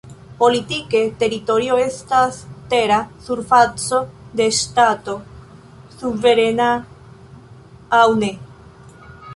Politike, teritorio estas tera surfaco de Ŝtato, suverena aŭ ne.